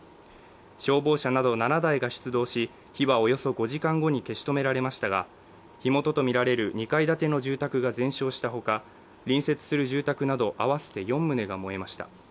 消防車など７台が出動し、火はおよそ５時間後に消し止められましたが火元とみられる２階建ての住宅が全焼した他、隣接する住宅など合わせて４棟が燃えました。